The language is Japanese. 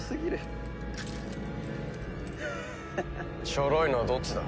ちょろいのはどっちだ？